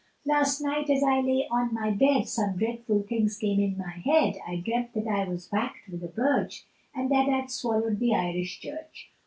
Last night as I lay on my bed, Some dreadful things came in my head, I dreamt that I was whacked with a birch, And that I'd swallowed the Irish Church.